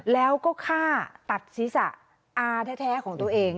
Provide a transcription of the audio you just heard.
แล้วก็ฆ่าตัดศีรษะอาแท้ของตัวเอง